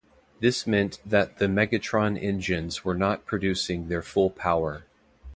This meant that the Megatron engines were not producing their full power.